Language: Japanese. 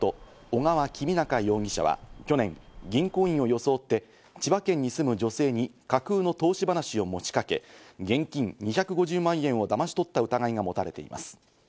小川公央容疑者は去年、銀行員を装って千葉県に住む女性に架空の投資話を持ちかけ、現金２５０万円をだまし取った疑いが持たれています。